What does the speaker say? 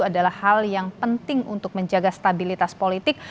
adalah hal yang penting untuk menjaga stabilitas politik